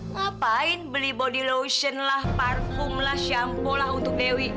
ngapain beli body lotion lah parfum lah shampo lah untuk dewi